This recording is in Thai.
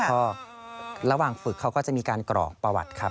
ก็ระหว่างฝึกเขาก็จะมีการกรอกประวัติครับ